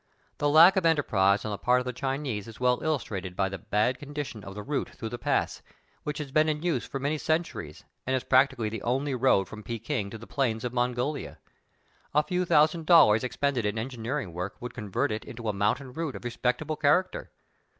The lack of enterprise on the part of the Chinese is well illus trated by the bad condition of the route through the pass, which has been in use for many centuries and is practically the only road from Pekin to the plains of Mongolia. A few thousand dollars expended in engineering work would convert it into a mountain route of respectable character.